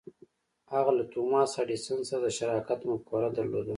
هغه له توماس ایډېسن سره د شراکت مفکوره درلوده.